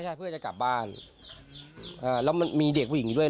ใช่เพื่อจะกลับบ้านอ่าแล้วมันมีเด็กผู้หญิงด้วย